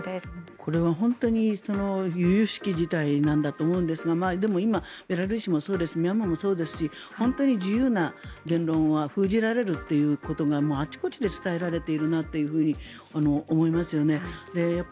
これは本当に由々しき事態なんだと思いますがでも今、ベラルーシもそうですしミャンマーもそうですし本当に自由な言論は封じられるということがあちこちで伝えられているなと思いますよね。